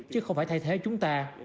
chứ không phải thay thế chúng ta